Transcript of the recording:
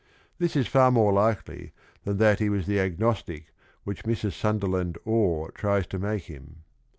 This is far more likely than that he was the agnostic which Mrs. Sunderland Orr tries to make him.